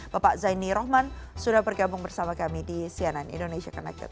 bapak zaini rohman sudah bergabung bersama kami di cnn indonesia connected